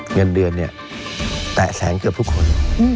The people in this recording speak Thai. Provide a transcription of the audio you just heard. เงินเดือนเนี่ยแตะแสนเกือบทุกคน